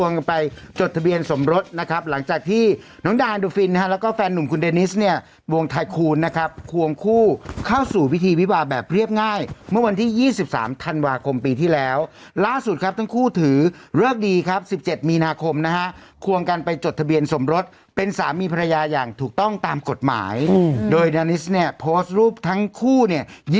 นั่นแหมาจะไม่มีคุณมาจีบจ๊ะบ่ะเลยสวย๓๐ดวง๗๐ยังมีคนมาจีบเลยหู้ยคุณแม่ดวง๙๐ครับ